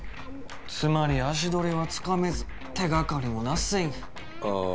つまり足取りはつかめず手がかりもナッシングあ